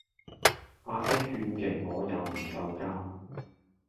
啊爹佢勸極我又唔受教